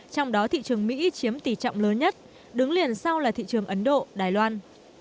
trong đó thị trường mỹ chiếm tỷ trọng lớn nhất đứng liền sau là thị trường ấn độ đài loan